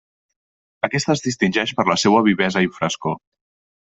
Aquesta es distingeix per la seua vivesa i frescor.